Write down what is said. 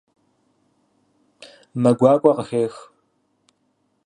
Мэ гуакӏуэ къыхех.